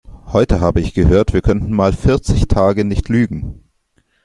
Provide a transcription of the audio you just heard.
Heute habe ich gehört, wir könnten mal vierzig Tage nicht Lügen.